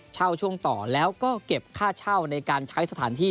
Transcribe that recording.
ช่วงต่อแล้วก็เก็บค่าเช่าในการใช้สถานที่